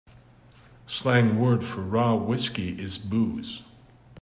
The slang word for raw whiskey is booze.